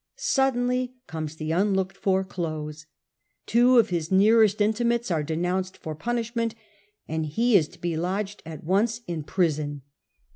Suddenly comes the unlooked for close. Two of his nearest intimates are denounced for punishment, and he is to be lodged at once in prison.